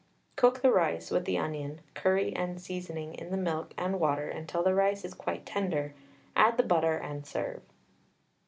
Cook the rice with the onion, curry, and seasoning in the milk and water, until the rice is quite tender; add the butter, and serve.